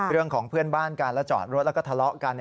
เรื่องของเพื่อนบ้านกันแล้วจอดรถแล้วก็ทะเลาะกัน